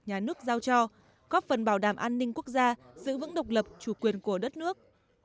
nhà nước giao cho góp phần bảo đảm an ninh quốc gia giữ vững độc lập chủ quyền của đất nước